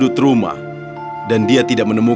dia menemukan teman yang tidak menemukan